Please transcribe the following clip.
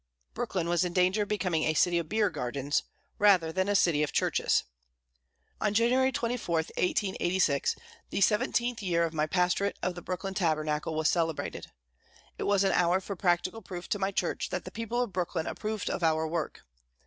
Brooklyn was in danger of becoming a city of beer gardens, rather than a city of churches. On January 24, 1886, the seventeenth year of my pastorate of the Brooklyn Tabernacle was celebrated. It was an hour for practical proof to my church that the people of Brooklyn approved of our work.